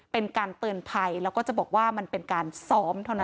เป็นการเตือนภัยแล้วก็จะบอกว่ามันเป็นการซ้อมเท่านั้น